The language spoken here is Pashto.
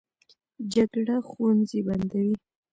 جګړه ښوونځي بندوي